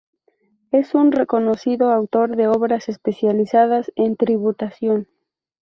Es un reconocido autor de obras especializadas en tributación.